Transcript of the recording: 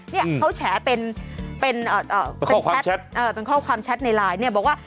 เนี่ยเขาแฉเป็นเป็นเป็นข้อความแชตเป็นข้อความแชตในไลน์เนี่ยบอกว่า